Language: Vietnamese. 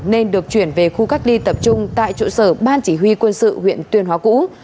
nên được chuyển về khu cách ly tập trung tại trụ sở ban chỉ huy quân sự huyện tuyên hóa cũ